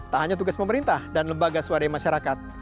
tak hanya tugas pemerintah dan lembaga swadaya masyarakat